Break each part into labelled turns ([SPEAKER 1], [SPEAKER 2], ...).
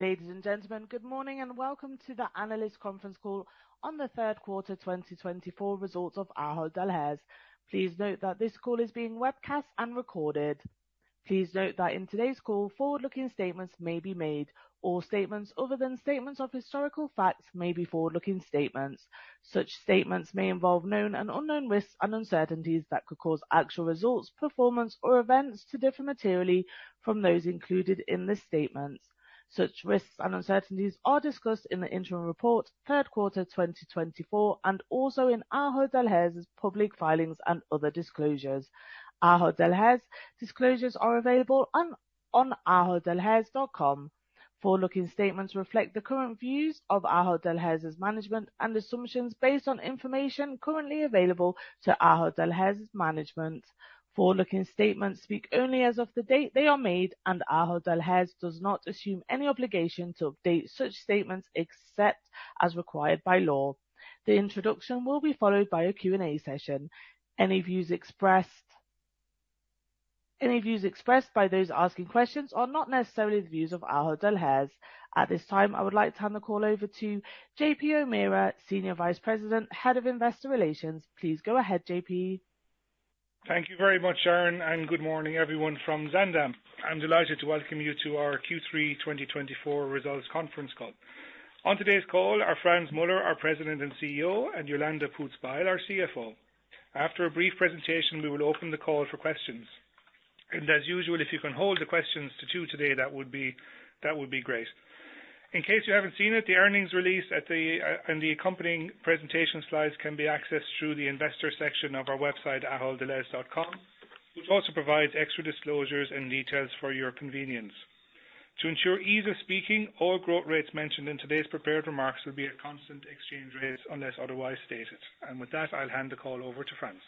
[SPEAKER 1] Ladies and gentlemen, good morning and welcome to the analyst conference call on the third quarter 2024 results of Ahold Delhaize. Please note that this call is being webcast and recorded. Please note that in today's call, forward-looking statements may be made, or statements other than statements of historical facts may be forward-looking statements. Such statements may involve known and unknown risks and uncertainties that could cause actual results, performance, or events to differ materially from those included in this statement. Such risks and uncertainties are discussed in the interim report, third quarter 2024, and also in Ahold Delhaize's public filings and other disclosures. Ahold Delhaize disclosures are available on aholddelhaize.com. Forward-looking statements reflect the current views of Ahold Delhaize's management and assumptions based on information currently available to Ahold Delhaize's management. Forward-looking statements speak only as of the date they are made, and Ahold Delhaize does not assume any obligation to update such statements except as required by law. The introduction will be followed by a Q&A session. Any views expressed by those asking questions are not necessarily the views of Ahold Delhaize. At this time, I would like to hand the call over to JP O'Meara, Senior Vice President, Head of Investor Relations. Please go ahead, JP.
[SPEAKER 2] Thank you very much, Sharon, and good morning, everyone from Zaandam. I'm delighted to welcome you to our Q3 2024 results conference call. On today's call, Frans Muller, our President and CEO, and Jolanda Poots-Bijl, our CFO. After a brief presentation, we will open the call for questions. And as usual, if you can hold the questions to two today, that would be great. In case you haven't seen it, the earnings release and the accompanying presentation slides can be accessed through the investor section of our website, aholddelhaize.com, which also provides extra disclosures and details for your convenience. To ensure ease of speaking, all growth rates mentioned in today's prepared remarks will be at constant exchange rates unless otherwise stated. And with that, I'll hand the call over to Frans.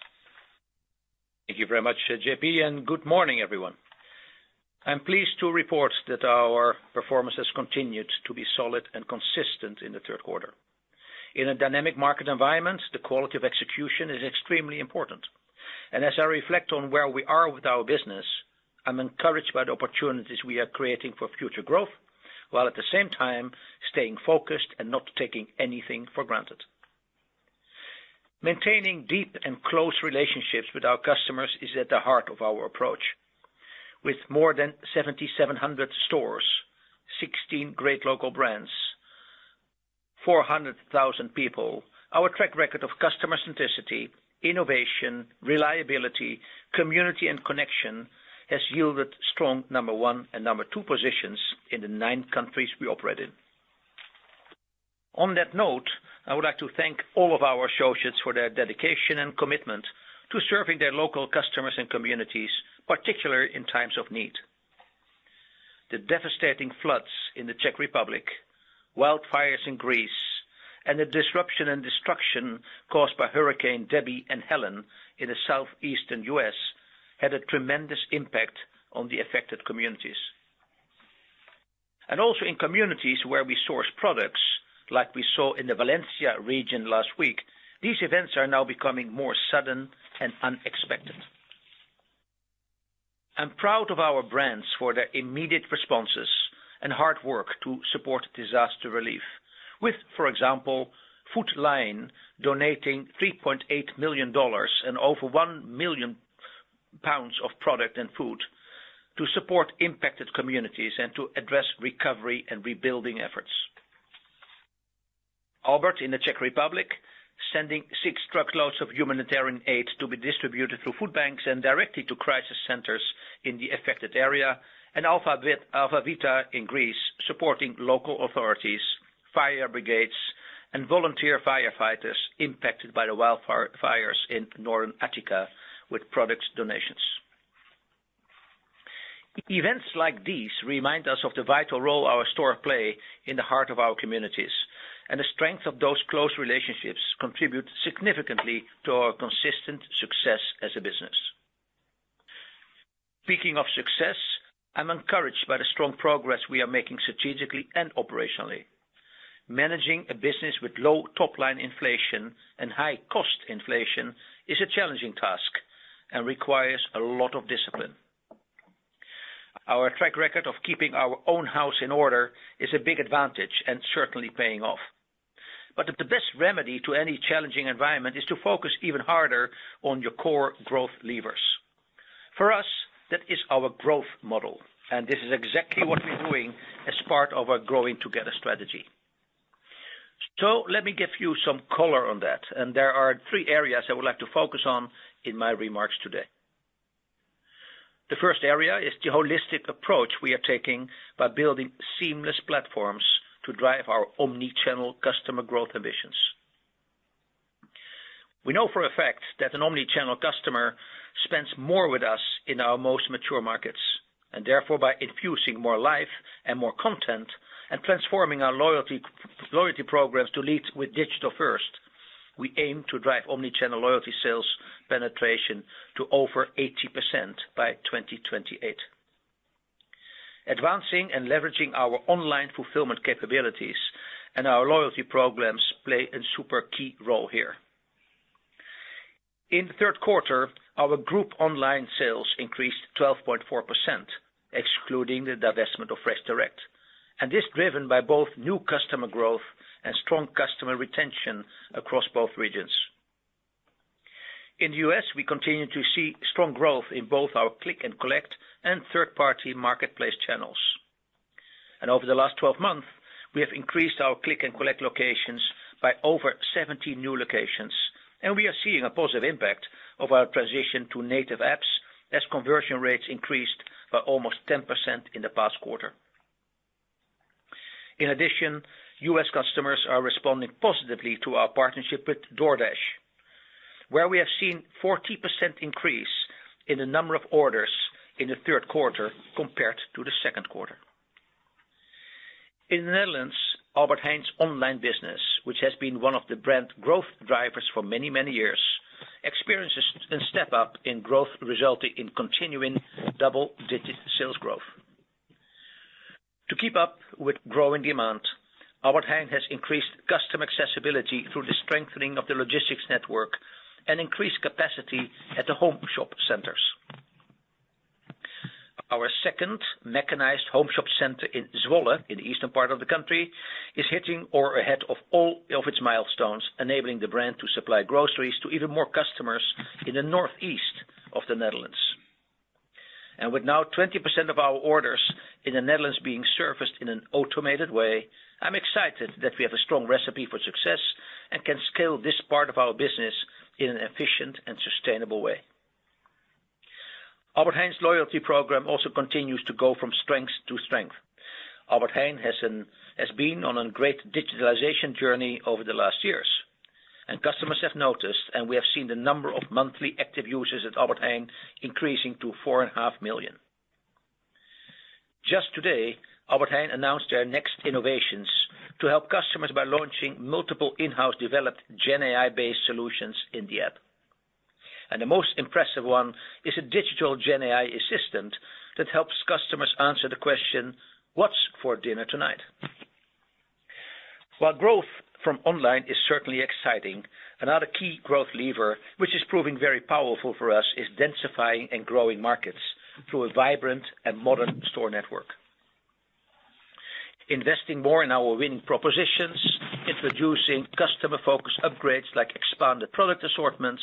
[SPEAKER 3] Thank you very much, JP, and good morning, everyone. I'm pleased to report that our performance has continued to be solid and consistent in the third quarter. In a dynamic market environment, the quality of execution is extremely important, and as I reflect on where we are with our business, I'm encouraged by the opportunities we are creating for future growth while at the same time staying focused and not taking anything for granted. Maintaining deep and close relationships with our customers is at the heart of our approach. With more than 7,700 stores, 16 great local brands, 400,000 people, our track record of customer centricity, innovation, reliability, community, and connection has yielded strong number one and number two positions in the nine countries we operate in. On that note, I would like to thank all of our associates for their dedication and commitment to serving their local customers and communities, particularly in times of need. The devastating floods in the Czech Republic, wildfires in Greece, and the disruption and destruction caused by Hurricane Debby and Helene in the southeastern U.S. had a tremendous impact on the affected communities. And also in communities where we source products, like we saw in the Valencia region last week, these events are now becoming more sudden and unexpected. I'm proud of our brands for their immediate responses and hard work to support disaster relief, with, for example, Food Lion donating $3.8 million and over 1 million pounds of product and food to support impacted communities and to address recovery and rebuilding efforts. Albert in the Czech Republic, sending six truckloads of humanitarian aid to be distributed through food banks and directly to crisis centers in the affected area, and Alfa Beta in Greece, supporting local authorities, fire brigades, and volunteer firefighters impacted by the wildfires in Northern Attica with product donations. Events like these remind us of the vital role our stores play in the heart of our communities, and the strength of those close relationships contributes significantly to our consistent success as a business. Speaking of success, I'm encouraged by the strong progress we are making strategically and operationally. Managing a business with low top-line inflation and high cost inflation is a challenging task and requires a lot of discipline. Our track record of keeping our own house in order is a big advantage and certainly paying off. But the best remedy to any challenging environment is to focus even harder on your core growth levers. For us, that is our growth model, and this is exactly what we're doing as part of our Growing Together strategy. So let me give you some color on that, and there are three areas I would like to focus on in my remarks today. The first area is the holistic approach we are taking by building seamless platforms to drive our omnichannel customer growth ambitions. We know for a fact that an omnichannel customer spends more with us in our most mature markets, and therefore, by infusing more life and more content and transforming our loyalty programs to lead with digital first, we aim to drive omnichannel loyalty sales penetration to over 80% by 2028. Advancing and leveraging our online fulfillment capabilities and our loyalty programs play a super key role here. In the third quarter, our group online sales increased 12.4%, excluding the divestment of FreshDirect. And this is driven by both new customer growth and strong customer retention across both regions. In the U.S., we continue to see strong growth in both our click and collect and third-party marketplace channels. And over the last 12 months, we have increased our click and collect locations by over 70 new locations, and we are seeing a positive impact of our transition to native apps as conversion rates increased by almost 10% in the past quarter. In addition, U.S. customers are responding positively to our partnership with DoorDash, where we have seen a 40% increase in the number of orders in the third quarter compared to the second quarter. In the Netherlands, Albert Heijn's online business, which has been one of the brand growth drivers for many, many years, experiences a step up in growth, resulting in continuing double-digit sales growth. To keep up with growing demand, Albert Heijn has increased customer accessibility through the strengthening of the logistics network and increased capacity at the Home Shop Centers. Our second mechanized Home Shop Center in Zwolle, in the eastern part of the country, is hitting or ahead of all of its milestones, enabling the brand to supply groceries to even more customers in the northeast of the Netherlands. And with now 20% of our orders in the Netherlands being serviced in an automated way, I'm excited that we have a strong recipe for success and can scale this part of our business in an efficient and sustainable way. Albert Heijn's loyalty program also continues to go from strength to strength. Albert Heijn has been on a great digitalization journey over the last years, and customers have noticed, and we have seen the number of monthly active users at Albert Heijn increasing to 4.5 million. Just today, Albert Heijn announced their next innovations to help customers by launching multiple in-house developed GenAI-based solutions in the app. And the most impressive one is a digital GenAI assistant that helps customers answer the question, "What's for dinner tonight?" While growth from online is certainly exciting, another key growth lever, which is proving very powerful for us, is densifying and growing markets through a vibrant and modern store network. Investing more in our winning propositions, introducing customer-focused upgrades like expanded product assortments,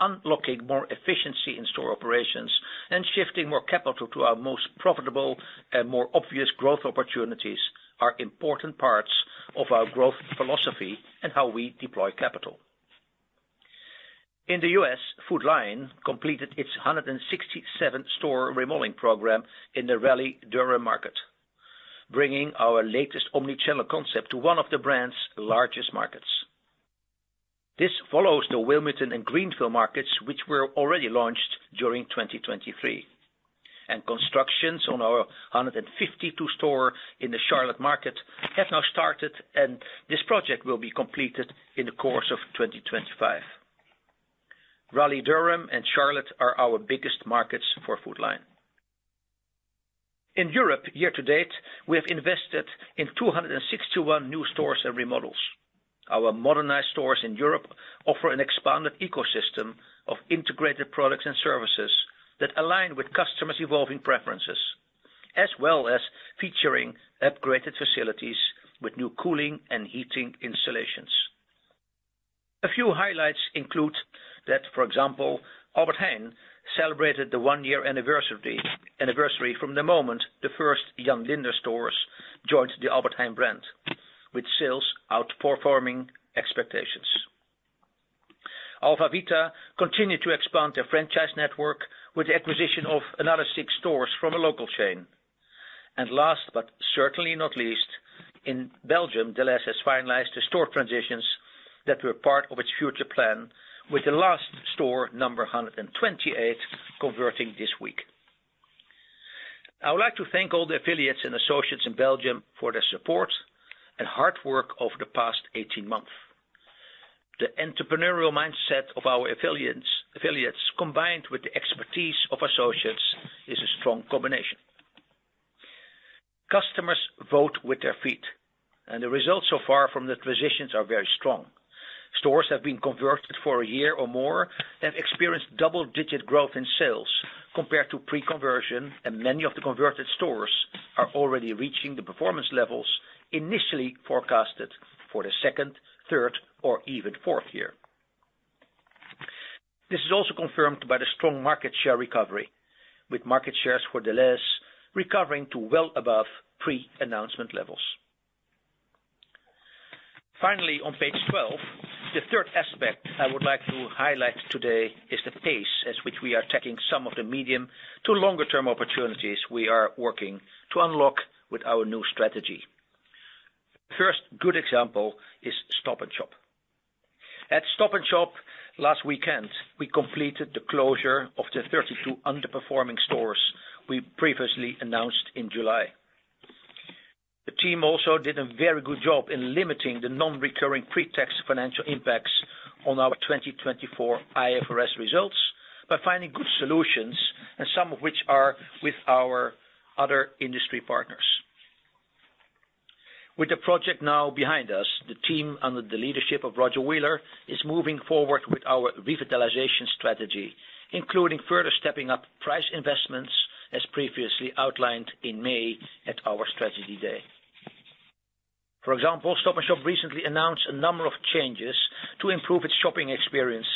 [SPEAKER 3] unlocking more efficiency in store operations, and shifting more capital to our most profitable and more obvious growth opportunities are important parts of our growth philosophy and how we deploy capital. In the U.S., Food Lion completed its 167th store remodeling program in the Raleigh-Durham market, bringing our latest omnichannel concept to one of the brand's largest markets. This follows the Wilmington and Greenville markets, which were already launched during 2023, and constructions on our 152nd store in the Charlotte market have now started, and this project will be completed in the course of 2025. Raleigh-Durham and Charlotte are our biggest markets for Food Lion. In Europe, year to date, we have invested in 261 new stores and remodels. Our modernized stores in Europe offer an expanded ecosystem of integrated products and services that align with customers' evolving preferences, as well as featuring upgraded facilities with new cooling and heating installations. A few highlights include that, for example, Albert Heijn celebrated the one-year anniversary from the moment the first Jan Linders stores joined the Albert Heijn brand, with sales outperforming expectations. Alfa Beta continued to expand their franchise network with the acquisition of another six stores from a local chain, and last but certainly not least, in Belgium, Delhaize has finalized the store transitions that were part of its future plan, with the last store, number 128, converting this week. I would like to thank all the affiliates and associates in Belgium for their support and hard work over the past 18 months. The entrepreneurial mindset of our affiliates, combined with the expertise of associates, is a strong combination. Customers vote with their feet, and the results so far from the transitions are very strong. Stores have been converted for a year or more and have experienced double-digit growth in sales compared to pre-conversion, and many of the converted stores are already reaching the performance levels initially forecasted for the second, third, or even fourth year. This is also confirmed by the strong market share recovery, with market shares for Delhaize recovering to well above pre-announcement levels. Finally, on page 12, the third aspect I would like to highlight today is the pace at which we are attacking some of the medium to longer-term opportunities we are working to unlock with our new strategy. The first good example is Stop & Shop. At Stop & Shop last weekend, we completed the closure of the 32 underperforming stores we previously announced in July. The team also did a very good job in limiting the non-recurring pre-tax financial impacts on our 2024 IFRS results by finding good solutions, some of which are with our other industry partners. With the project now behind us, the team under the leadership of Roger Wheeler is moving forward with our revitalization strategy, including further stepping up price investments, as previously outlined in May at our strategy day. For example, Stop & Shop recently announced a number of changes to improve its shopping experience,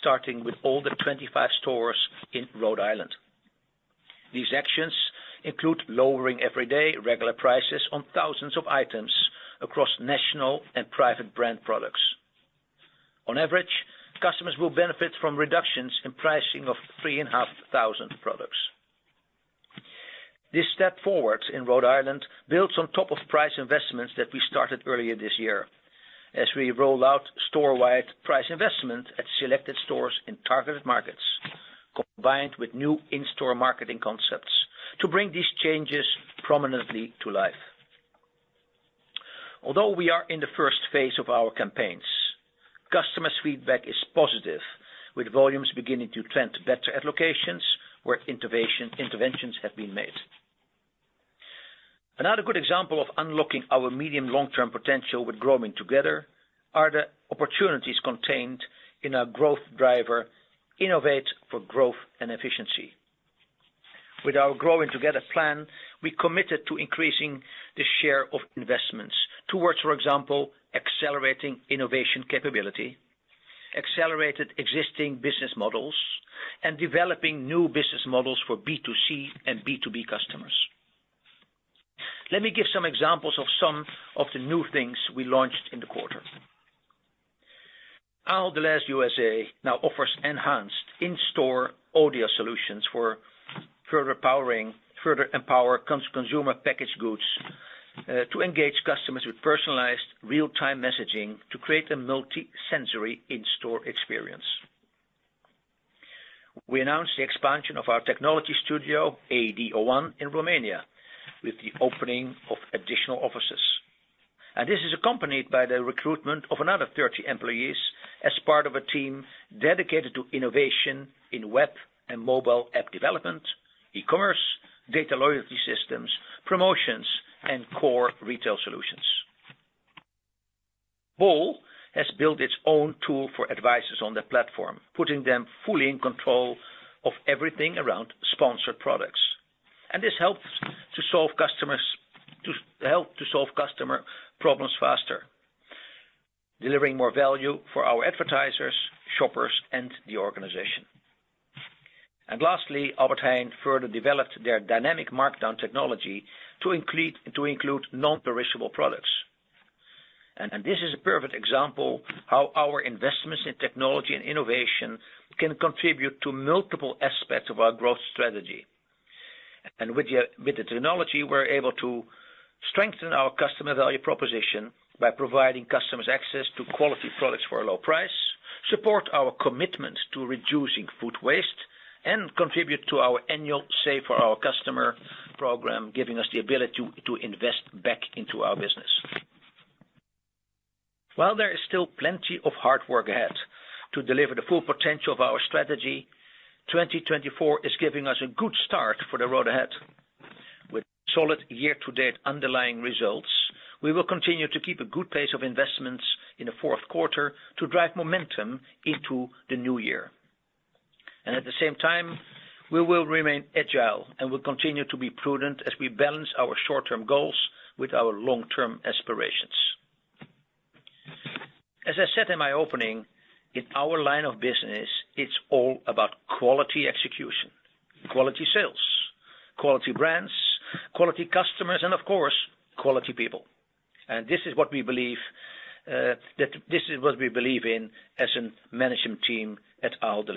[SPEAKER 3] starting with all 25 stores in Rhode Island. These actions include lowering everyday regular prices on thousands of items across national and private brand products. On average, customers will benefit from reductions in pricing of 3,500 products. This step forward in Rhode Island builds on top of price investments that we started earlier this year as we roll out store-wide price investment at selected stores in targeted markets, combined with new in-store marketing concepts to bring these changes prominently to life. Although we are in the first phase of our campaigns, customer feedback is positive, with volumes beginning to trend better at locations where interventions have been made. Another good example of unlocking our medium-long-term potential with Growing Together are the opportunities contained in our growth driver, Innovate for Growth and Efficiency. With our Growing Together plan, we committed to increasing the share of investments towards, for example, accelerating innovation capability, accelerated existing business models, and developing new business models for B2C and B2B customers. Let me give some examples of some of the new things we launched in the quarter. Our Delhaize USA now offers enhanced in-store audio solutions to further empower consumer packaged goods to engage customers with personalized real-time messaging to create a multi-sensory in-store experience. We announced the expansion of our technology studio, AD/01, in Romania with the opening of additional offices. And this is accompanied by the recruitment of another 30 employees as part of a team dedicated to innovation in web and mobile app development, e-commerce, data loyalty systems, promotions, and core retail solutions. Bol has built its own tool for advisors on the platform, putting them fully in control of everything around sponsored products. And this helps to solve customer problems faster, delivering more value for our advertisers, shoppers, and the organization. And lastly, Albert Heijn further developed their dynamic markdown technology to include non-perishable products. And this is a perfect example of how our investments in technology and innovation can contribute to multiple aspects of our growth strategy. And with the technology, we're able to strengthen our customer value proposition by providing customers access to quality products for a low price, support our commitment to reducing food waste, and contribute to our annual Save for Our Customers program, giving us the ability to invest back into our business. While there is still plenty of hard work ahead to deliver the full potential of our strategy, 2024 is giving us a good start for the road ahead. With solid year-to-date underlying results, we will continue to keep a good pace of investments in the fourth quarter to drive momentum into the new year. At the same time, we will remain agile and will continue to be prudent as we balance our short-term goals with our long-term aspirations. As I said in my opening, in our line of business, it's all about quality execution, quality sales, quality brands, quality customers, and of course, quality people. This is what we believe in as a management team at Ahold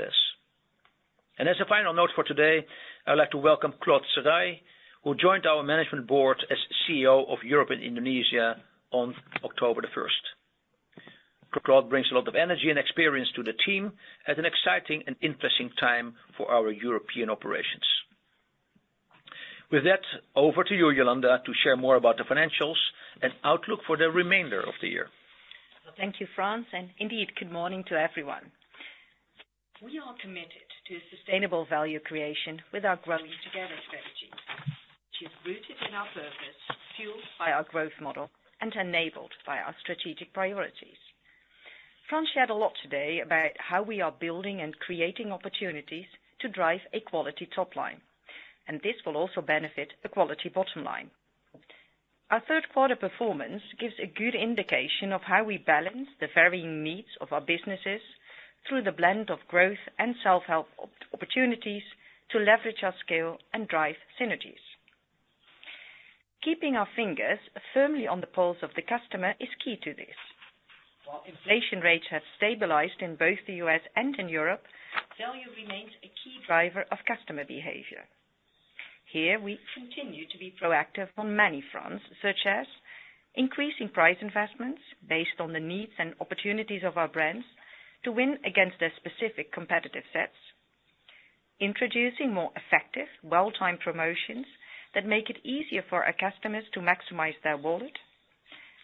[SPEAKER 3] Delhaize. As a final note for today, I'd like to welcome Claude Sarrailh, who joined our management board as CEO of Europe and Indonesia on October the 1st. Claude brings a lot of energy and experience to the team at an exciting and interesting time for our European operations. With that, over to you, Jolanda, to share more about the financials and outlook for the remainder of the year.
[SPEAKER 4] Thank you, Frans, and indeed, good morning to everyone. We are committed to sustainable value creation with our Growing Together strategy, which is rooted in our purpose, fueled by our growth model, and enabled by our strategic priorities. Frans shared a lot today about how we are building and creating opportunities to drive accelerated top line, and this will also benefit accelerated bottom line. Our third quarter performance gives a good indication of how we balance the varying needs of our businesses through the blend of growth and self-help opportunities to leverage our skill and drive synergies. Keeping our fingers firmly on the pulse of the customer is key to this. While inflation rates have stabilized in both the U.S. and in Europe, value remains a key driver of customer behavior. Here, we continue to be proactive on many fronts, such as increasing price investments based on the needs and opportunities of our brands to win against their specific competitive sets, introducing more effective, well-timed promotions that make it easier for our customers to maximize their wallet,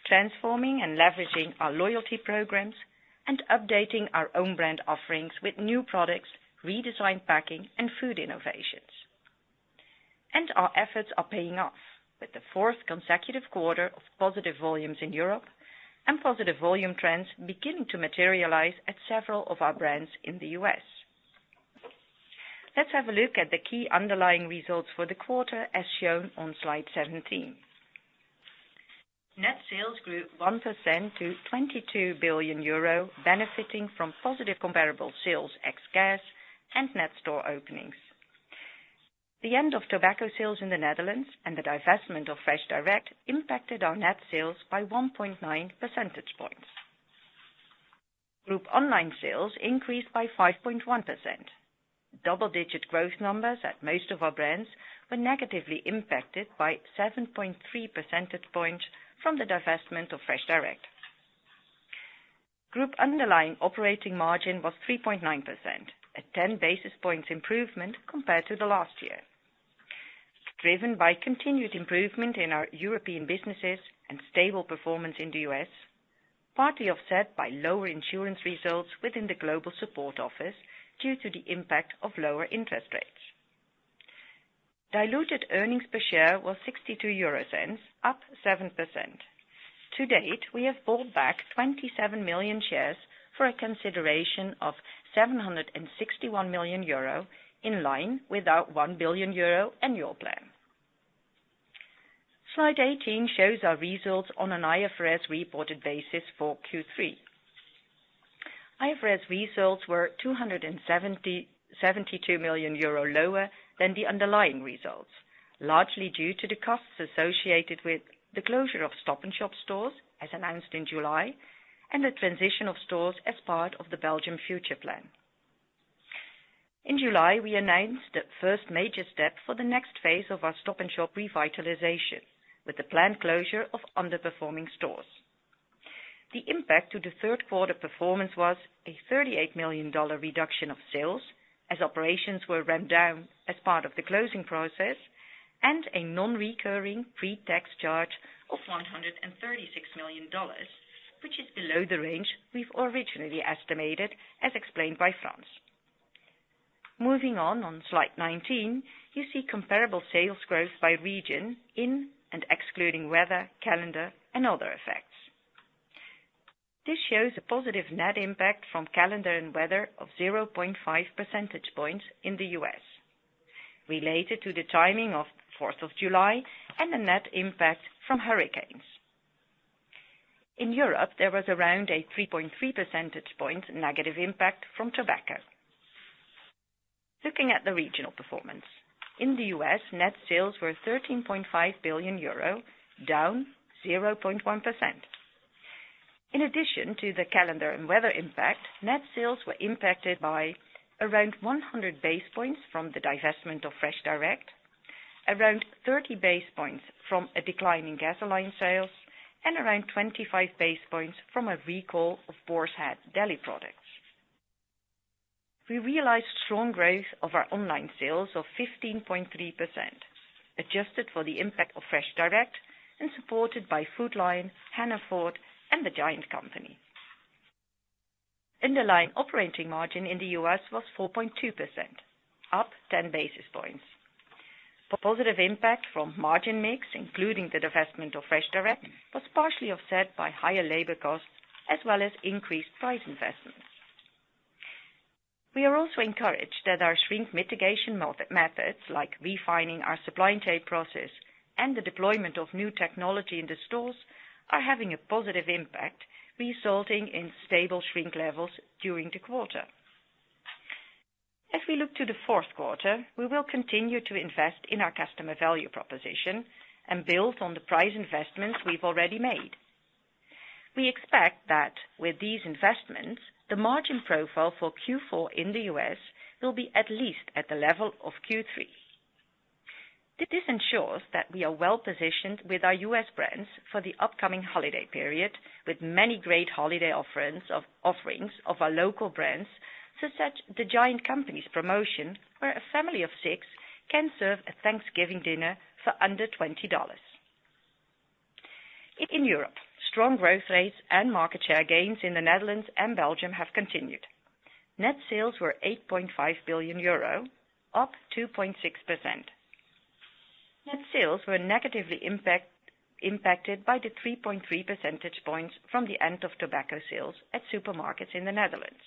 [SPEAKER 4] transforming and leveraging our loyalty programs, and updating our own brand offerings with new products, redesigned packing, and food innovations. And our efforts are paying off with the fourth consecutive quarter of positive volumes in Europe and positive volume trends beginning to materialize at several of our brands in the U.S. Let's have a look at the key underlying results for the quarter, as shown on slide 17. Net sales grew 1% to 22 billion euro, benefiting from positive comparable sales ex-gas and net store openings. The end of tobacco sales in the Netherlands and the divestment of FreshDirect impacted our net sales by 1.9 percentage points. Group online sales increased by 5.1%. Double-digit growth numbers at most of our brands were negatively impacted by 7.3 percentage points from the divestment of FreshDirect. Group underlying operating margin was 3.9%, a 10 basis points improvement compared to the last year, driven by continued improvement in our European businesses and stable performance in the U.S., partly offset by lower insurance results within the global support office due to the impact of lower interest rates. Diluted earnings per share was 62 euro, up 7%. To date, we have bought back 27 million shares for a consideration of 761 million euro in line with our 1 billion euro annual plan. Slide 18 shows our results on an IFRS-reported basis for Q3. IFRS results were 272 million euro lower than the underlying results, largely due to the costs associated with the closure of Stop & Shop stores, as announced in July, and the transition of stores as part of the Belgium Future Plan. In July, we announced the first major step for the next phase of our Stop & Shop revitalization, with the planned closure of underperforming stores. The impact to the third quarter performance was a $38 million reduction of sales as operations were ramped down as part of the closing process and a non-recurring pre-tax charge of $136 million, which is below the range we've originally estimated, as explained by Frans. Moving on, on slide 19, you see comparable sales growth by region, in and excluding weather, calendar, and other effects. This shows a positive net impact from calendar and weather of 0.5 percentage points in the U.S., related to the timing of the 4th of July and the net impact from hurricanes. In Europe, there was around a 3.3 percentage point negative impact from tobacco. Looking at the regional performance, in the U.S., net sales were EUR 13.5 billion, down 0.1%. In addition to the calendar and weather impact, net sales were impacted by around 100 basis points from the divestment of FreshDirect, around 30 basis points from a decline in gasoline sales, and around 25 basis points from a recall of Boar's Head deli products. We realized strong growth of our online sales of 15.3%, adjusted for the impact of FreshDirect and supported by Food Lion, Hannaford, and The GIANT Company. Underlying operating margin in the U.S. was 4.2%, up 10 basis points. Positive impact from margin mix, including the divestment of FreshDirect, was partially offset by higher labor costs as well as increased price investments. We are also encouraged that our shrink mitigation methods, like refining our supply chain process and the deployment of new technology in the stores, are having a positive impact, resulting in stable shrink levels during the quarter. As we look to the fourth quarter, we will continue to invest in our customer value proposition and build on the price investments we've already made. We expect that with these investments, the margin profile for Q4 in the U.S. will be at least at the level of Q3. This ensures that we are well positioned with our U.S. brands for the upcoming holiday period, with many great holiday offerings of our local brands, such as The GIANT Company's promotion where a family of six can serve a Thanksgiving dinner for under $20. In Europe, strong growth rates and market share gains in the Netherlands and Belgium have continued. Net sales were 8.5 billion euro, up 2.6%. Net sales were negatively impacted by the 3.3 percentage points from the end of tobacco sales at supermarkets in the Netherlands.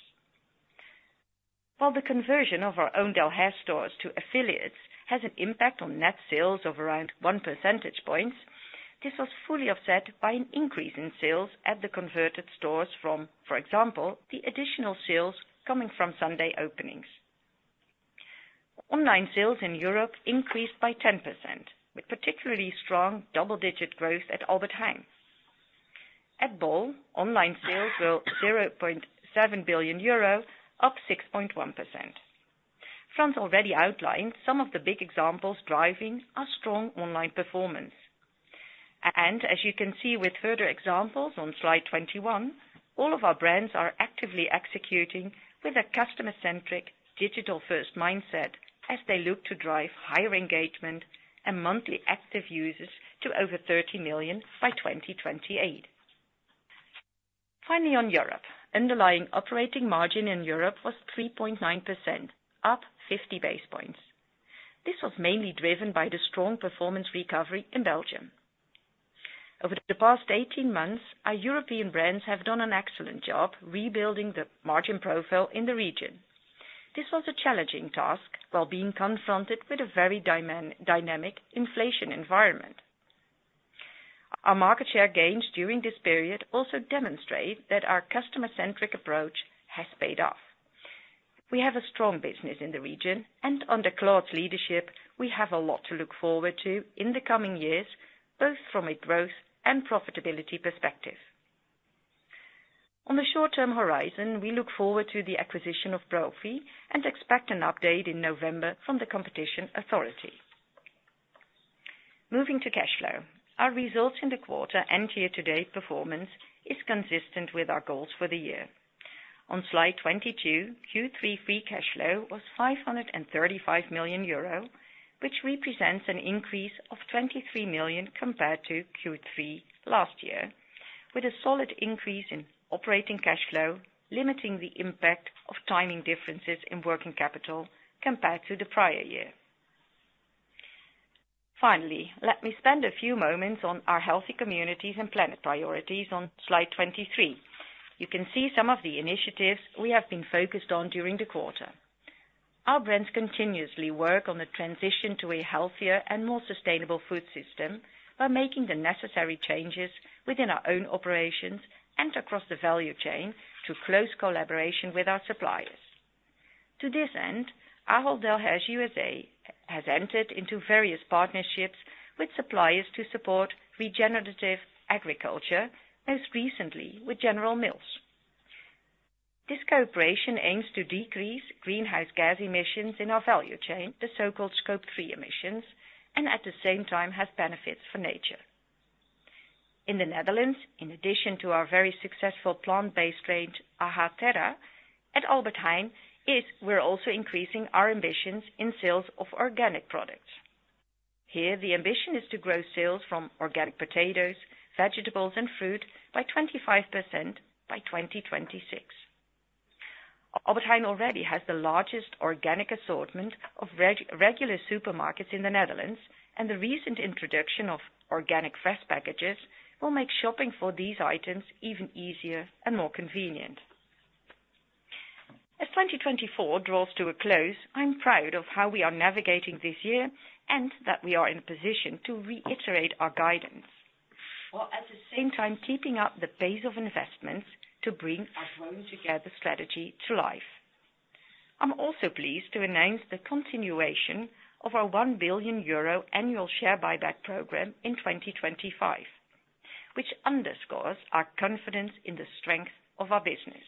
[SPEAKER 4] While the conversion of our own Delhaize stores to affiliates has an impact on net sales of around one percentage point, this was fully offset by an increase in sales at the converted stores from, for example, the additional sales coming from Sunday openings. Online sales in Europe increased by 10%, with particularly strong double-digit growth at Albert Heijn. At Bol, online sales were 0.7 billion euro, up 6.1%. Frans already outlined some of the big examples driving our strong online performance. And as you can see with further examples on slide 21, all of our brands are actively executing with a customer-centric digital-first mindset as they look to drive higher engagement and monthly active users to over 30 million by 2028. Finally, on Europe, underlying operating margin in Europe was 3.9%, up 50 basis points. This was mainly driven by the strong performance recovery in Belgium. Over the past 18 months, our European brands have done an excellent job rebuilding the margin profile in the region. This was a challenging task while being confronted with a very dynamic inflation environment. Our market share gains during this period also demonstrate that our customer-centric approach has paid off. We have a strong business in the region, and under Claude's leadership, we have a lot to look forward to in the coming years, both from a growth and profitability perspective. On the short-term horizon, we look forward to the acquisition of Profi and expect an update in November from the competition authority. Moving to cash flow, our results in the quarter and year-to-date performance are consistent with our goals for the year. On slide 22, Q3 free cash flow was 535 million euro, which represents an increase of 23 million compared to Q3 last year, with a solid increase in operating cash flow limiting the impact of timing differences in working capital compared to the prior year. Finally, let me spend a few moments on our healthy communities and planet priorities on slide 23. You can see some of the initiatives we have been focused on during the quarter. Our brands continuously work on the transition to a healthier and more sustainable food system by making the necessary changes within our own operations and across the value chain to close collaboration with our suppliers. To this end, Ahold Delhaize USA has entered into various partnerships with suppliers to support regenerative agriculture, most recently with General Mills. This cooperation aims to decrease greenhouse gas emissions in our value chain, the so-called scope 3 emissions, and at the same time has benefits for nature. In the Netherlands, in addition to our very successful plant-based range AH Terra at Albert Heijn, we're also increasing our ambitions in sales of organic products. Here, the ambition is to grow sales from organic potatoes, vegetables, and fruit by 25% by 2026. Albert Heijn already has the largest organic assortment of regular supermarkets in the Netherlands, and the recent introduction of organic fresh packages will make shopping for these items even easier and more convenient. As 2024 draws to a close, I'm proud of how we are navigating this year and that we are in a position to reiterate our guidance, while at the same time keeping up the pace of investments to bring our Growing Together strategy to life. I'm also pleased to announce the continuation of our 1 billion euro annual share buyback program in 2025, which underscores our confidence in the strength of our business.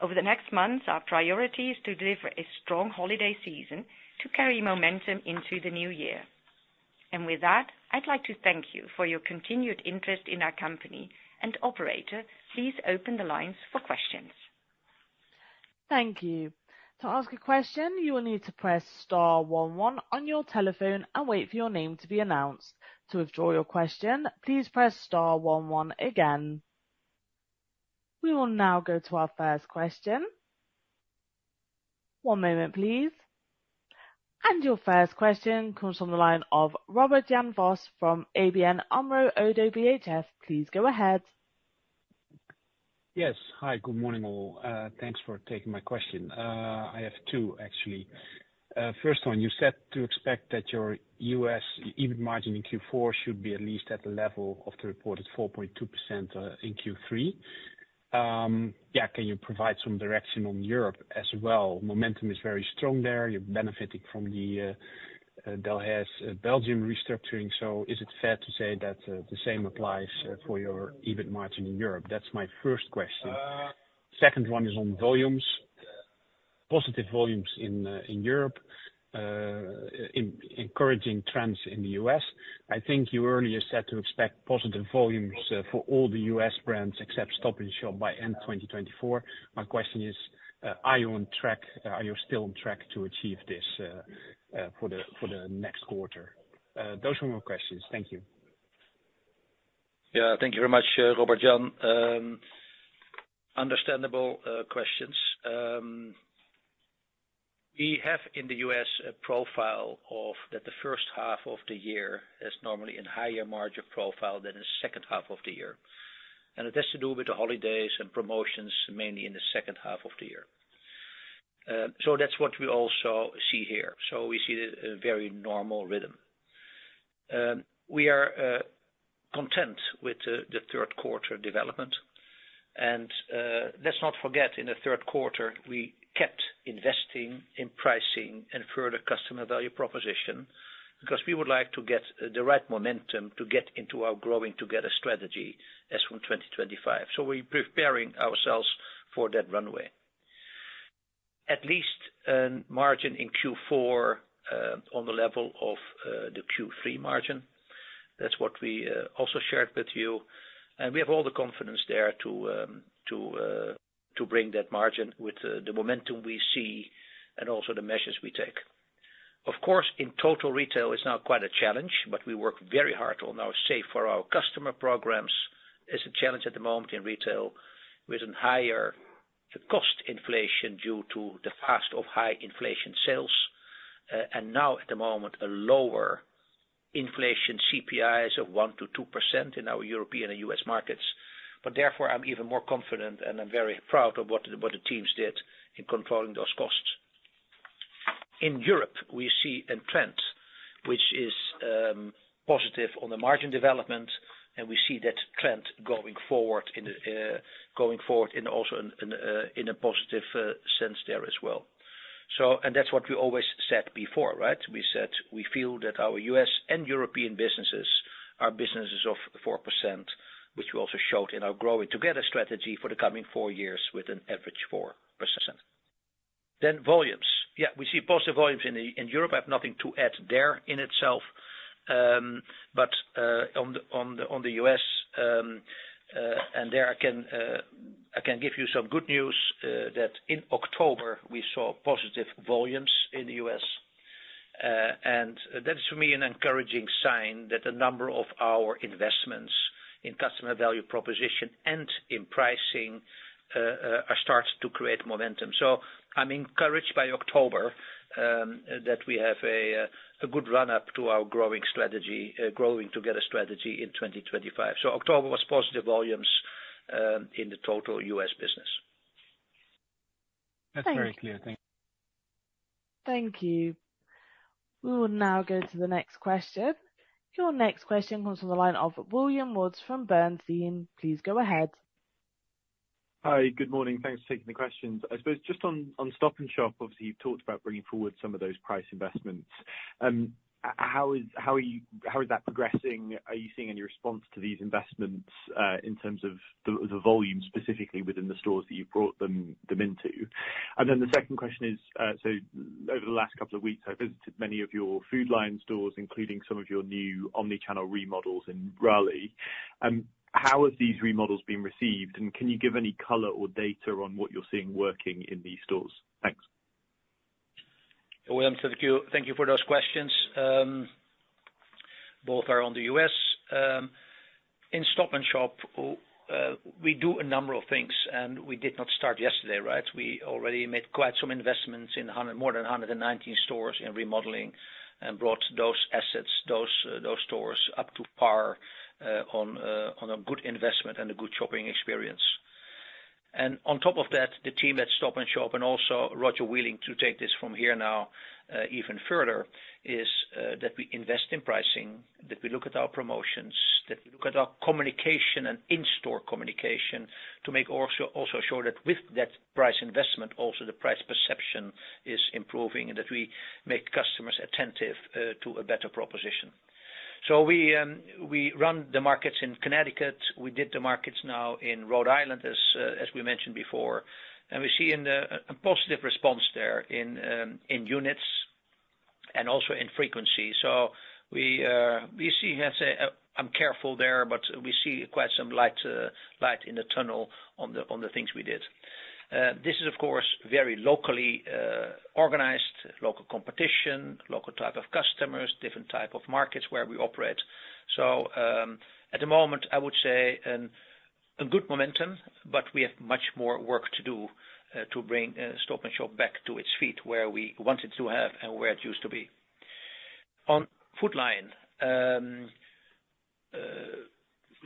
[SPEAKER 4] Over the next months, our priority is to deliver a strong holiday season to carry momentum into the new year. And with that, I'd like to thank you for your continued interest in our company and operator. Please open the lines for questions.
[SPEAKER 1] Thank you. To ask a question, you will need to press star one one on your telephone and wait for your name to be announced. To withdraw your question, please press star one one again. We will now go to our first question. One moment, please, and your first question comes from the line of Robert Jan Vos from ABN AMRO ODDO BHF. Please go ahead.
[SPEAKER 5] Yes. Hi. Good morning all. Thanks for taking my question. I have two, actually. First one, you said to expect that your U.S. EBIT margin in Q4 should be at least at the level of the reported 4.2% in Q3. Yeah. Can you provide some direction on Europe as well? Momentum is very strong there. You're benefiting from the Delhaize Belgium restructuring. So is it fair to say that the same applies for your EBIT margin in Europe? That's my first question. Second one is on volumes. Positive volumes in Europe, encouraging trends in the U.S. I think you earlier said to expect positive volumes for all the U.S. brands except Stop & Shop by end 2024. My question is, are you on track? Are you still on track to achieve this for the next quarter? Those are my questions. Thank you.
[SPEAKER 3] Yeah. Thank you very much, Robert Jan. Understandable questions. We have in the U.S. a profile that the first half of the year is normally in higher margin profile than the second half of the year. And it has to do with the holidays and promotions, mainly in the second half of the year. So that's what we also see here. So we see a very normal rhythm. We are content with the third quarter development. Let's not forget, in the third quarter, we kept investing in pricing and further customer value proposition because we would like to get the right momentum to get into our Growing Together strategy as from 2025. So we're preparing ourselves for that runway. At least margin in Q4 on the level of the Q3 margin. That's what we also shared with you. And we have all the confidence there to bring that margin with the momentum we see and also the measures we take. Of course, in total, retail is now quite a challenge, but we work very hard on our Save for Our Customers programs. It's a challenge at the moment in retail with higher cost inflation due to the past of high inflation sales. And now, at the moment, a lower inflation CPIs of 1%-2% in our European and U.S. markets. But therefore, I'm even more confident and I'm very proud of what the teams did in controlling those costs. In Europe, we see a trend which is positive on the margin development, and we see that trend going forward in also in a positive sense there as well. And that's what we always said before, right? We said we feel that our U.S. and European businesses are businesses of 4%, which we also showed in our Growing Together strategy for the coming four years with an average 4%. Then volumes. Yeah. We see positive volumes in Europe. I have nothing to add there in itself. But on the U.S., and there I can give you some good news that in October, we saw positive volumes in the U.S. That is, for me, an encouraging sign that a number of our investments in customer value proposition and in pricing are starting to create momentum. I'm encouraged by October that we have a good run-up to our Growing Together strategy in 2025. October was positive volumes in the total U.S. business.
[SPEAKER 5] That's very clear. Thank you.
[SPEAKER 1] Thank you. We will now go to the next question. Your next question comes from the line of William Woods from Bernstein. Please go ahead.
[SPEAKER 6] Hi. Good morning. Thanks for taking the questions. I suppose just on Stop & Shop, obviously, you've talked about bringing forward some of those price investments. How is that progressing? Are you seeing any response to these investments in terms of the volume specifically within the stores that you've brought them into? And then the second question is, so over the last couple of weeks, I've visited many of your Food Lion stores, including some of your new omnichannel remodels in Raleigh. How have these remodels been received? And can you give any color or data on what you're seeing working in these stores? Thanks.
[SPEAKER 3] William, thank you for those questions. Both are on the U.S. In Stop & Shop, we do a number of things, and we did not start yesterday, right? We already made quite some investments in more than 119 stores in remodeling and brought those assets, those stores up to par on a good investment and a good shopping experience. And on top of that, the team at Stop & Shop and also Roger Wheeler to take this from here now even further is that we invest in pricing, that we look at our promotions, that we look at our communication and in-store communication to make also sure that with that price investment, also the price perception is improving and that we make customers attentive to a better proposition. So we run the markets in Connecticut. We did the markets now in Rhode Island, as we mentioned before. And we see a positive response there in units and also in frequency. So we see, I'm careful there, but we see quite some light in the tunnel on the things we did. This is, of course, very locally organized, local competition, local type of customers, different type of markets where we operate. So at the moment, I would say a good momentum, but we have much more work to do to bring Stop & Shop back to its feet where we want it to have and where it used to be. On Food Lion, we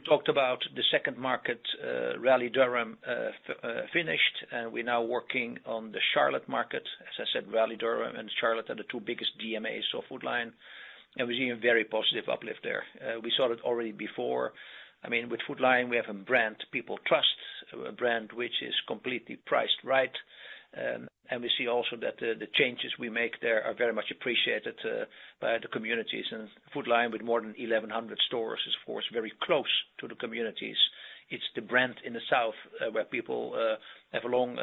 [SPEAKER 3] talked about the second market, Raleigh-Durham finished, and we're now working on the Charlotte market. As I said, Raleigh-Durham and Charlotte are the two biggest DMAs of Food Lion. And we're seeing a very positive uplift there. We saw it already before. I mean, with Food Lion, we have a brand people trust, a brand which is completely priced right. And we see also that the changes we make there are very much appreciated by the communities. And Food Lion with more than 1,100 stores is, of course, very close to the communities. It's the brand in the south where people have a long,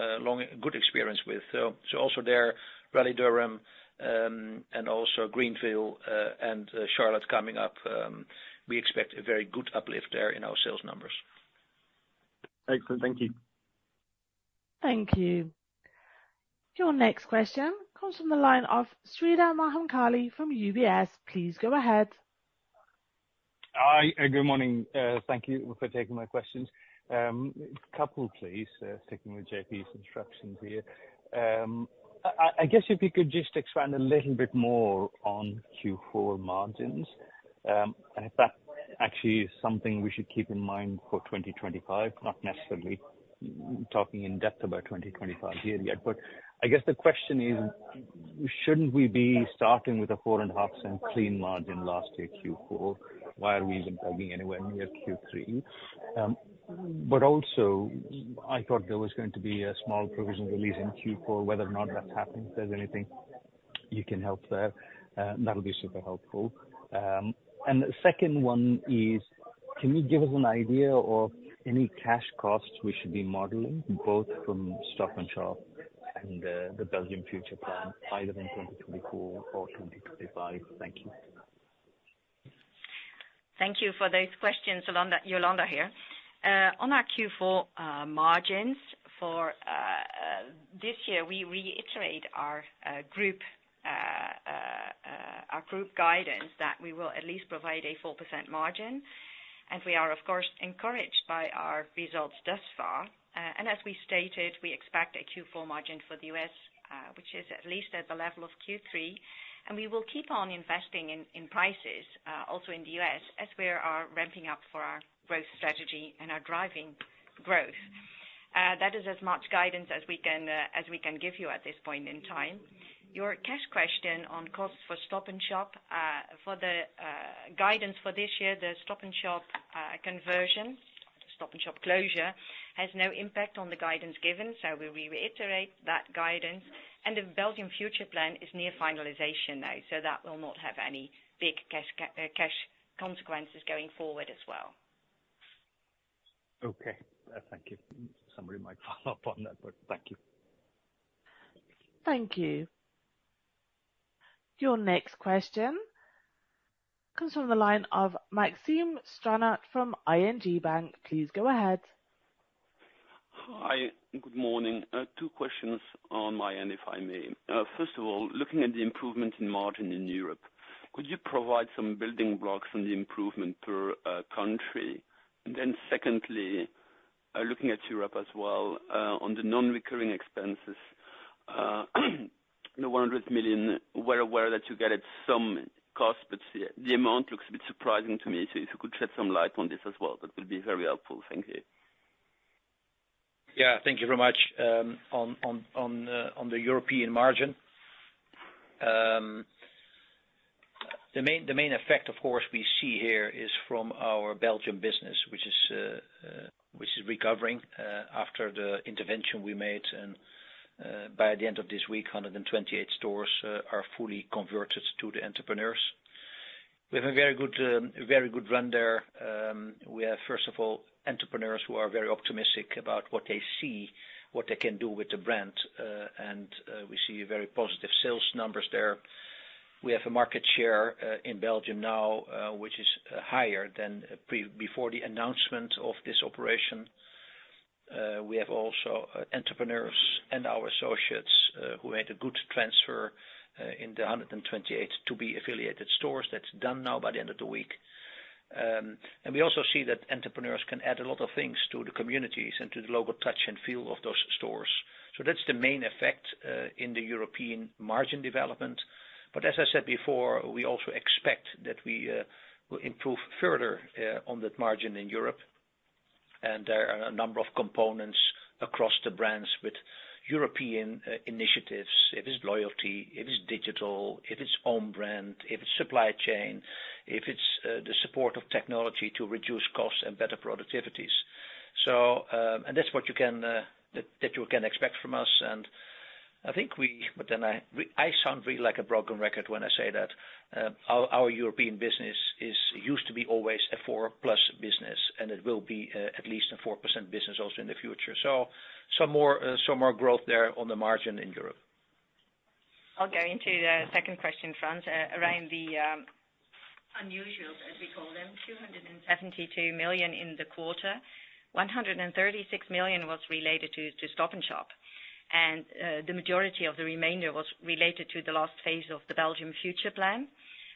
[SPEAKER 3] good experience with. So also there, Raleigh-Durham, and also Greenville and Charlotte coming up, we expect a very good uplift there in our sales numbers.
[SPEAKER 6] Excellent. Thank you.
[SPEAKER 1] Thank you. Your next question comes from the line of Sreedhar Mahamkali from UBS. Please go ahead.
[SPEAKER 7] Hi. Good morning. Thank you for taking my questions. Couple, please, sticking with JP's instructions here. I guess if you could just expand a little bit more on Q4 margins. And if that actually is something we should keep in mind for 2025, not necessarily talking in depth about 2025 here yet. But I guess the question is, shouldn't we be starting with a 4.5% clean margin last year Q4? Why are we even plugging anywhere near Q3? But also, I thought there was going to be a small provisional release in Q4. Whether or not that's happened, if there's anything you can help there, that'll be super helpful. And the second one is, can you give us an idea of any cash costs we should be modeling, both from Stop & Shop and the Belgian future plan, either in 2024 or 2025? Thank you.
[SPEAKER 4] Thank you for those questions, Jolanda here. On our Q4 margins for this year, we reiterate our group guidance that we will at least provide a 4% margin. And we are, of course, encouraged by our results thus far. And as we stated, we expect a Q4 margin for the U.S., which is at least at the level of Q3. And we will keep on investing in prices, also in the U.S., as we are ramping up for our growth strategy and our driving growth. That is as much guidance as we can give you at this point in time. Your cash question on costs for Stop & Shop, for the guidance for this year, the Stop & Shop conversion, Stop & Shop closure, has no impact on the guidance given. So we reiterate that guidance, and the Belgian future plan is near finalization now, so that will not have any big cash consequences going forward as well.
[SPEAKER 7] Okay. Thank you. Somebody might follow up on that, but thank you.
[SPEAKER 1] Thank you. Your next question comes from the line of Maxime Stranart from ING Bank. Please go ahead.
[SPEAKER 8] Hi. Good morning. Two questions on my end, if I may. First of all, looking at the improvement in margin in Europe, could you provide some building blocks on the improvement per country? Then secondly, looking at Europe as well, on the non-recurring expenses, the 100 million, we're aware that you get at some cost, but the amount looks a bit surprising to me. So if you could shed some light on this as well, that would be very helpful. Thank you.
[SPEAKER 3] Yeah. Thank you very much. On the European margin, the main effect, of course, we see here is from our Belgian business, which is recovering after the intervention we made. And by the end of this week, 128 stores are fully converted to the entrepreneurs. We have a very good run there. We have, first of all, entrepreneurs who are very optimistic about what they see, what they can do with the brand. And we see very positive sales numbers there. We have a market share in Belgium now, which is higher than before the announcement of this operation. We have also entrepreneurs and our associates who made a good transfer in the 128 to be affiliated stores. That's done now by the end of the week. And we also see that entrepreneurs can add a lot of things to the communities and to the local touch and feel of those stores. So that's the main effect in the European margin development. But as I said before, we also expect that we will improve further on that margin in Europe. And there are a number of components across the brands with European initiatives. If it's loyalty, if it's digital, if it's own brand, if it's supply chain, if it's the support of technology to reduce costs and better productivities. And that's what you can expect from us. And I think we, but then I sound really like a broken record when I say that. Our European business used to be always a 4-plus business, and it will be at least a 4% business also in the future. So some more growth there on the margin in Europe.
[SPEAKER 4] I'll go into the second question, Frans, around the unusuals, as we call them. 272 million in the quarter. 136 million was related to Stop & Shop. And the majority of the remainder was related to the last phase of the Belgian future plan.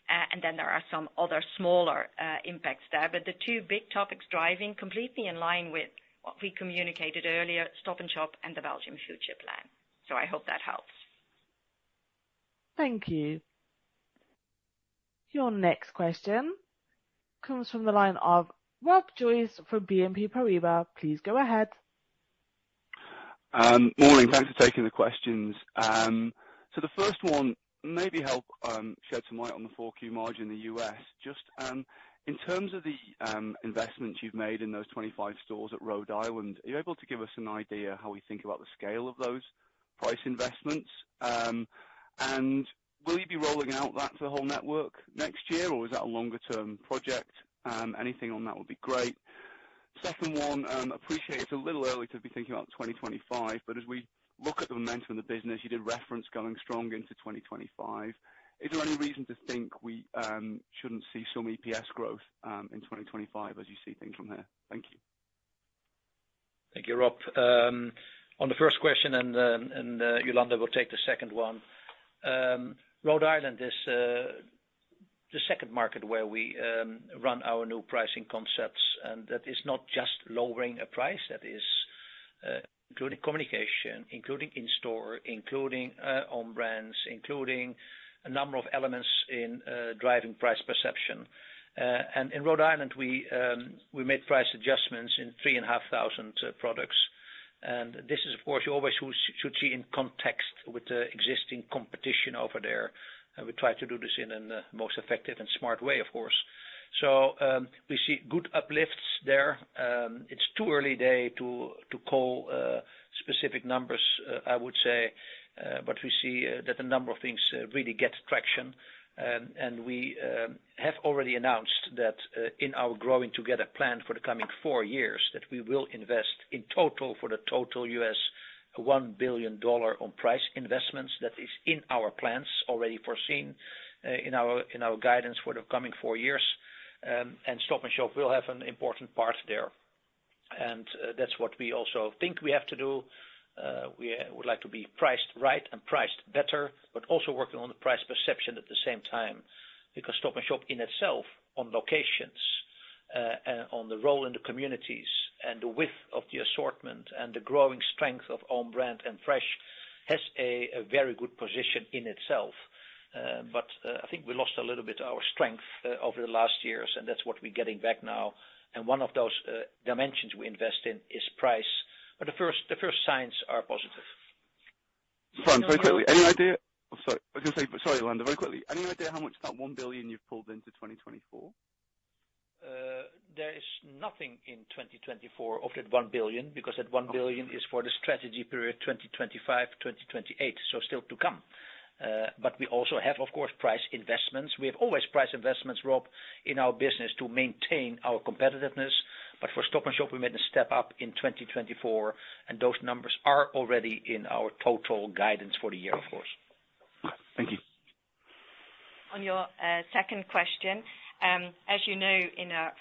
[SPEAKER 4] And then there are some other smaller impacts there. But the two big topics driving completely in line with what we communicated earlier, Stop & Shop and the Belgian future plan. So I hope that helps.
[SPEAKER 1] Thank you. Your next question comes from the line of Rob Joyce from BNP Paribas. Please go ahead.
[SPEAKER 9] Morning. Thanks for taking the questions. So the first one maybe help shed some light on the 4Q margin in the U.S. Just in terms of the investments you've made in those 25 stores at Rhode Island, are you able to give us an idea how we think about the scale of those price investments? And will you be rolling out that to the whole network next year, or is that a longer-term project? Anything on that would be great. Second one, appreciate it's a little early to be thinking about 2025, but as we look at the momentum in the business, you did reference going strong into 2025. Is there any reason to think we shouldn't see some EPS growth in 2025 as you see things from there? Thank you.
[SPEAKER 3] Thank you, Rob. On the first question, and Jolanda will take the second one. Rhode Island is the second market where we run our new pricing concepts. And that is not just lowering a price. That is including communication, including in-store, including on-brands, including a number of elements in driving price perception. And in Rhode Island, we made price adjustments in 3,500 products. And this is, of course, you always should see in context with the existing competition over there. And we try to do this in a most effective and smart way, of course. So we see good uplifts there. It's too early in the day to call specific numbers, I would say, but we see that a number of things really get traction. And we have already announced that in our Growing Together plan for the coming four years, that we will invest in total for the total U.S. $1 billion on price investments. That is in our plans already foreseen in our guidance for the coming four years. Stop & Shop will have an important part there. That's what we also think we have to do. We would like to be priced right and priced better, but also working on the price perception at the same time. Because Stop & Shop in itself, on locations, and on the role in the communities, and the width of the assortment, and the growing strength of on-brand and fresh has a very good position in itself. But I think we lost a little bit of our strength over the last years, and that's what we're getting back now. One of those dimensions we invest in is price. But the first signs are positive.
[SPEAKER 9] Frans, very quickly, any idea, sorry, sorry, Jolanda, very quickly, any idea how much that $1 billion you've pulled into 2024?
[SPEAKER 3] There is nothing in 2024 of that $1 billion, because that $1 billion is for the strategy period 2025-2028, so still to come. But we also have, of course, price investments. We have always price investments, Rob, in our business to maintain our competitiveness. But for Stop & Shop, we made a step up in 2024, and those numbers are already in our total guidance for the year, of course.
[SPEAKER 9] Thank you.
[SPEAKER 4] On your second question, as you know,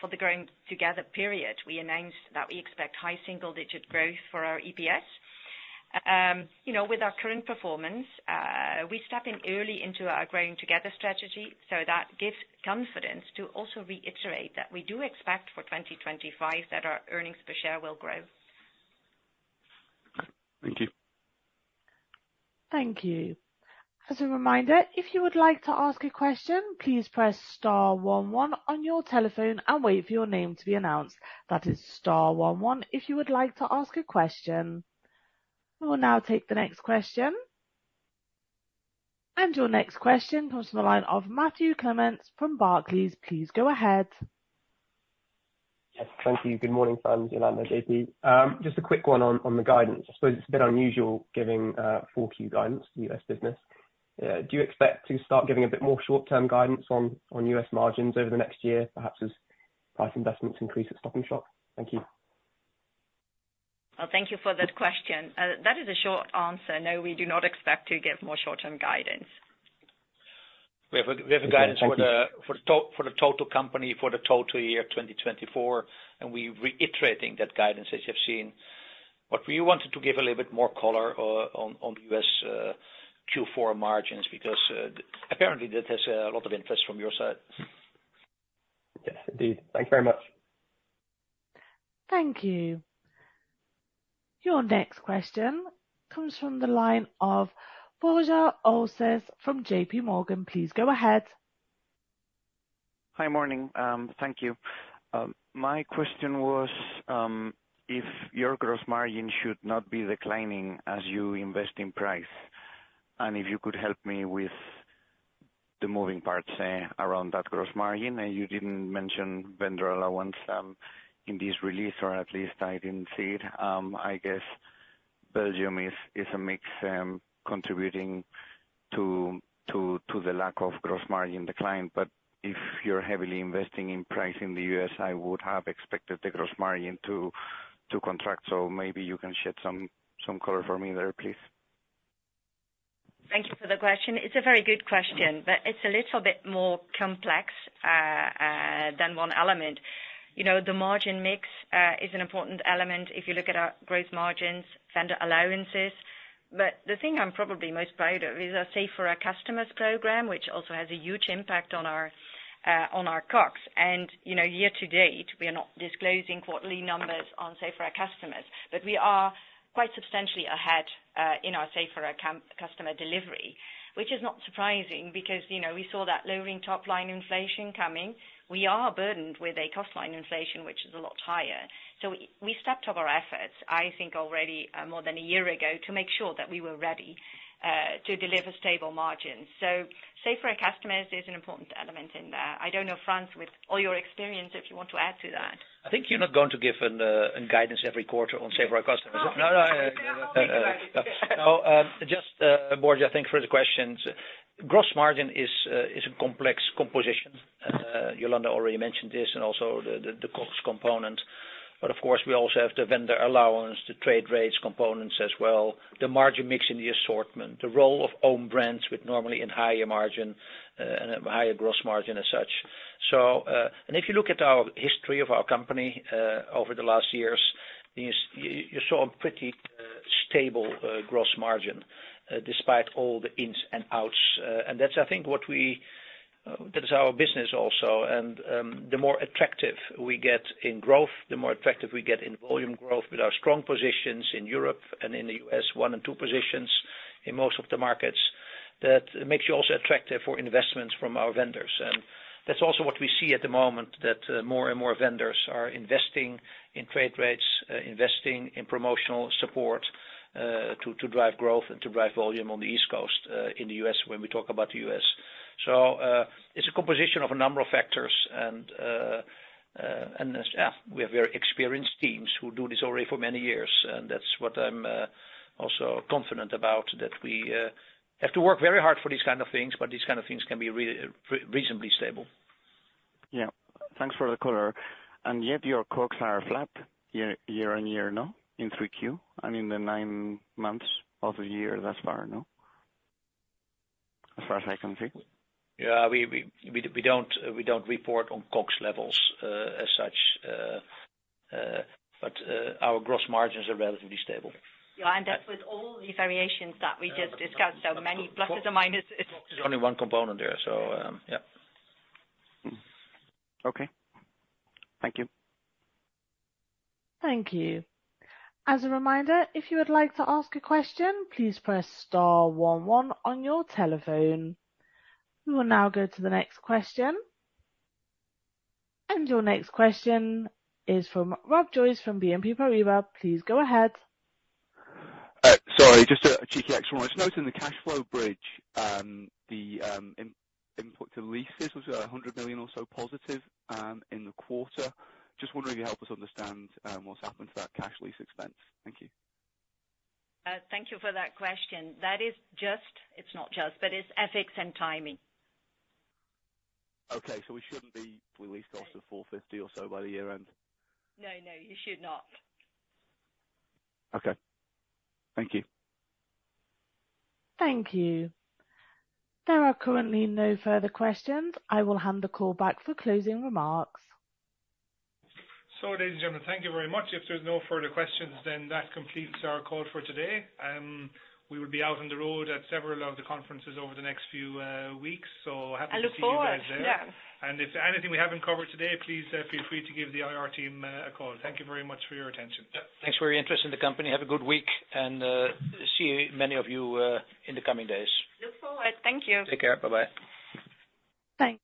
[SPEAKER 4] for the Growing Together period, we announced that we expect high single-digit growth for our EPS. With our current performance, we step in early into our Growing Together strategy. So that gives confidence to also reiterate that we do expect for 2025 that our earnings per share will grow.
[SPEAKER 9] Thank you.
[SPEAKER 1] Thank you. As a reminder, if you would like to ask a question, please press star one one on your telephone and wait for your name to be announced. That is star one one if you would like to ask a question. We will now take the next question. And your next question comes from the line of Matthew Clements from Barclays. Please go ahead.
[SPEAKER 10] Thank you. Good morning, Frans, Jolanda, JP. Just a quick one on the guidance. I suppose it's a bit unusual giving 4Q guidance to US business. Do you expect to start giving a bit more short-term guidance on U.S. margins over the next year, perhaps as price investments increase at Stop & Shop? Thank you.
[SPEAKER 4] Thank you for that question. That is a short answer. No, we do not expect to give more short-term guidance.
[SPEAKER 3] We have a guidance for the total company for the total year 2024, and we're reiterating that guidance as you've seen. But we wanted to give a little bit more color on the this Q4 margins because apparently that has a lot of interest from your side.
[SPEAKER 10] Yes, indeed. Thank you very much.
[SPEAKER 1] Thank you. Your next question comes from the line of Borja Olcese from JP Morgan. Please go ahead.
[SPEAKER 11] Hi, morning. Thank you. My question was if your gross margin should not be declining as you invest in price, and if you could help me with the moving parts around that gross margin. And you didn't mention vendor allowance in this release, or at least I didn't see it. I guess Belgium is a mix contributing to the lack of gross margin decline. But if you're heavily investing in price in the U.S., I would have expected the gross margin to contract. So maybe you can shed some color for me there, please.
[SPEAKER 4] Thank you for the question. It's a very good question, but it's a little bit more complex than one element. The margin mix is an important element if you look at our gross margins, vendor allowances. But the thing I'm probably most proud of is our Save for Our Customers program, which also has a huge impact on our COGS. And year to date, we are not disclosing quarterly numbers on Save for Our Customers, but we are quite substantially ahead in our Save for Our Customers delivery, which is not surprising because we saw that lowering top-line inflation coming. We are burdened with a cost-line inflation, which is a lot higher. So we stepped up our efforts, I think already more than a year ago, to make sure that we were ready to deliver stable margins. So Save for Our Customers is an important element in there. I don't know, Frans, with all your experience, if you want to add to that.
[SPEAKER 3] I think you're not going to give guidance every quarter on Save for Our Customers. No, no. Thank you. No, just a brief, I think, for the questions. Gross margin is a complex composition. Jolanda already mentioned this and also the COGS component. But of course, we also have the vendor allowance, the trade rates components as well, the margin mix in the assortment, the role of own brands with normally in higher margin and a higher gross margin as such. If you look at our history of our company over the last years, you saw a pretty stable gross margin despite all the ins and outs. That's, I think, what we—that's our business also. The more attractive we get in growth, the more attractive we get in volume growth with our strong positions in Europe and in the U.S., one and two positions in most of the markets. That makes you also attractive for investments from our vendors. That's also what we see at the moment, that more and more vendors are investing in trade rates, investing in promotional support to drive growth and to drive volume on the East Coast in the U.S. when we talk about the U.S. It's a composition of a number of factors. Yeah, we have very experienced teams who do this already for many years. And that's what I'm also confident about, that we have to work very hard for these kinds of things, but these kinds of things can be reasonably stable.
[SPEAKER 11] Yeah. Thanks for the color. And yet your COGS are flat year-on-year, no? In 3Q and in the 9 months of the year thus far, no? As far as I can see.
[SPEAKER 3] Yeah. We don't report on COGS levels as such, but our gross margins are relatively stable.
[SPEAKER 4] Yeah. And that's with all the variations that we just discussed. So many pluses and minuses.
[SPEAKER 3] COGS is only one component there. So yeah.
[SPEAKER 11] Okay. Thank you.
[SPEAKER 1] Thank you. As a reminder, if you would like to ask a question, please press star one one on your telephone. We will now go to the next question. And your next question is from Rob Joyce from BNP Paribas. Please go ahead.
[SPEAKER 9] Sorry, just a cheeky extra one. It's noted in the cash flow bridge, the input to leases was 100 million or so positive in the quarter. Just wondering if you help us understand what's happened to that cash lease expense. Thank you.
[SPEAKER 4] Thank you for that question. That is just, it's not just, but it's effects and timing.
[SPEAKER 9] Okay. So we shouldn't be. W leased cost of 450 or so by the year end.
[SPEAKER 4] No, no. You should not. Okay. Thank you.
[SPEAKER 1] Thank you. There are currently no further questions. I will hand the call back for closing remarks.
[SPEAKER 2] So ladies and gentlemen, thank you very much. If there's no further questions, then that completes our call for today. We will be out on the road at several of the conferences over the next few weeks. So happy to see you guys there.
[SPEAKER 4] I look forward. Yeah.
[SPEAKER 2] If there's anything we haven't covered today, please feel free to give the IR team a call. Thank you very much for your attention.
[SPEAKER 3] Thanks for your interest in the company. Have a good week, and see many of you in the coming days.
[SPEAKER 4] Look forward. Thank you.
[SPEAKER 3] Take care. Bye-bye.
[SPEAKER 1] Thanks.